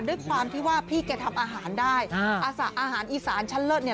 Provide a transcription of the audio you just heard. ด้วยความที่ว่าพี่แกทำอาหารได้อาหารอีสานชั้นเลิศเนี่ย